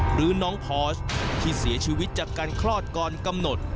หรือน้องพอสที่เสียชีวิตจากการคลอดก่อนกำหนด